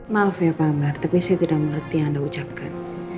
maaf ya pak amar tapi saya tidak mengerti yang anda ucapkan